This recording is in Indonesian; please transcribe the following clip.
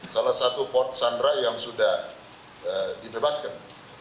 salah satu port sandra yang sudah dibebaskan